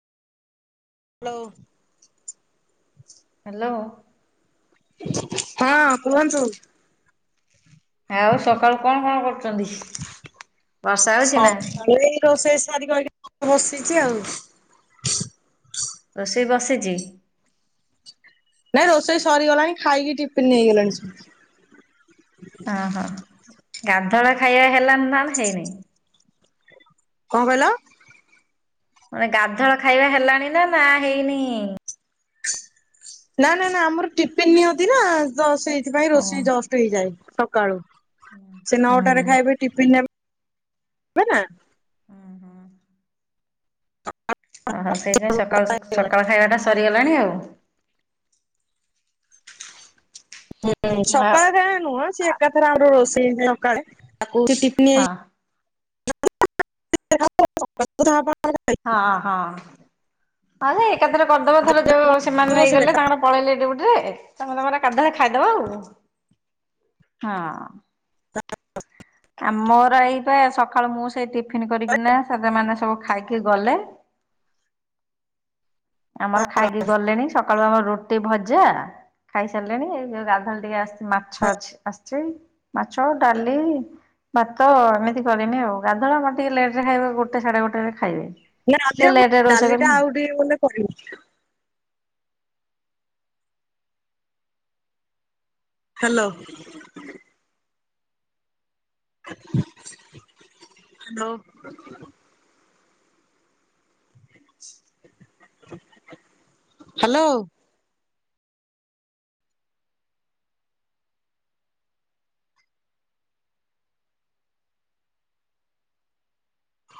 Hello. Hello. ହଁ କୁହନ୍ତୁ। ଆଉ ସକାଳୁ କଣ କଣ କ ହଁ ନା? ମୁ ଏଇ ରୋଷେଇ ସାରି କି ବସିଚି ଆଉ ରୋଷେଇ ବସିଚି? ନାଇଁ ରୋଷେଇ ସରିଗଲାଣି ଖାଇକି ଟିଫିନ ନେଇଗଲେଣି ସବୁ। ଅ ହଁ ଗାଧୁଆ ବେଳ ଖାଇବା ହେଲାଣି ନା ହେଇନି? କଣ କହିଲ? ମାନେ ଗାଧୁଆ ବେଳ ଖାଇବା ହେଲାଣି ନା ନା ହେଇନି? ନା ନା ନା ଆମର ଟିଫିନ ନିଅନ୍ତି ନା ତ ସେଇଥିପାଇଁ ହଁ ରୋଷେଇ ଜଷ୍ଟ ହେଇଯାଏ ସକାଳୁ। ସେ ହୁଁ। ନଅଟାରେ ଖାଇବେ ଟିଫିନ ନେବେ ନା ଓହୋ ସେଇଥିପାଇଁ ସକାଳୁ ସକାଳ ଖାଇବା ଟା ସରିଗଲାଣି ଆଉ। ହୁଁ ଆଉ ସକାଳେ ଯାଏ ନୁହଁ। ସିଏ ଏକାଥରେ ଆମର ରୋଷେଇ ହୁଏ ସକାଳେ। ତାଙ୍କୁ ଟିଫିନ ଏଇ ହଁ [unintelligible] ହଁ ହଁ। ହଁ ସେ ଏକାଥରେ କରିଦବ ଥରେ ଯୋଉ ସେମାନେ ନେଇଗଲେ ତାଙ୍କର ପଳେଇଲେ ଡ଼ିଉ ରେ ତମେ ତମର ଗାଧୁଆ ବେଳେ ଖାଇଦବ ଆଉ ହଁ। [unintelligible] ଆମର ଏଇପା ସକାଳୁ ମୁଁ ସେଇ ଟିଫିନ୍ କରିକିନା [unintelligible] ମାନେ ସବୁ ଖାଇକି ଗଲେ। [inaudible] ଆମର ଖାଇକି ଗଲେଣି ସକାଳୁ ଆମର ରୁଟି ଭଜା ଖାଇସାରିଲେଣି ଏଇ ଯୋଉ ଗାଧୁଆ ବେଳେ ଟିକେ ଆସିଛି ମାଛ ଅଛି ଆସିଛି। ମାଛ, ଡାଲି ଭାତ ଏମିତି କରେନି ଆଉ। ଗଧୁଆ ବେଳ ଆମର ଟିକେ ଲେଟ୍ ରେ ଖାଇବେ ଗୋଟେ ସାଢେ ଗୋଟେ ରେ ଖାଇବେ। ନା ଆଜି ଟିକେ ଆଉ ଲେଟରେ ରୋଷେଇ ଡାଲି ଟା କରିମି। ଆଉ ଟିକେ ଗଲେ କରିବି। ହାଲୋ। ହାଲୋ। ହାଲୋ।